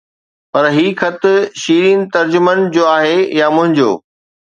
پر هي خط شيرين ترجمن جو آهي يا منهنجو